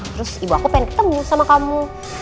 terus ibu aku pengen ketemu sama kamu